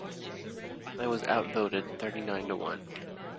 I was outvoted thirty-nine to one.